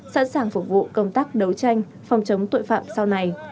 sẵn sàng phục vụ công tác đấu tranh phòng chống tội phạm sau này